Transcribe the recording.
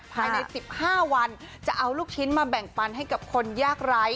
ภายใน๑๕วันจะเอาลูกชิ้นมาแบ่งปันให้กับคนยากไร้